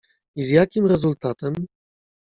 "I z jakim rezultatem?"